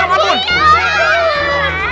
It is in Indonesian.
yang pakai sarap abun